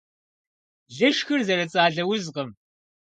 Лышхыр зэрыцӀалэ узкъым.